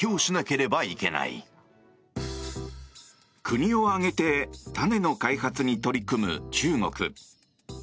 国を挙げて種の開発に取り組む中国。